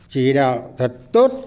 chỉ đạo thật tốt